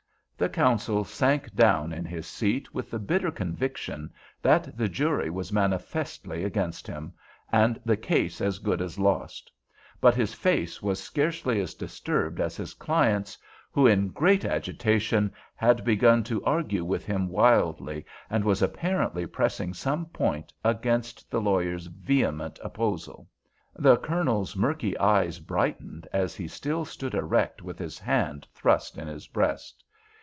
The counsel sank down in his seat with the bitter conviction that the jury was manifestly against him, and the case as good as lost. But his face was scarcely as disturbed as his client's, who, in great agitation, had begun to argue with him wildly, and was apparently pressing some point against the lawyer's vehement opposal. The Colonel's murky eyes brightened as he still stood erect with his hand thrust in his breast.